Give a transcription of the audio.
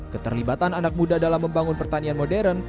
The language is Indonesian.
keterlibatan anak muda dalam membangun pertanian modern